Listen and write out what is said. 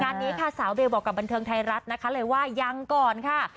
งานนี้ค่ะสาวเบลบอกกับบันเทิงไทยรัฐนะคะเลยว่ายังก่อนค่ะ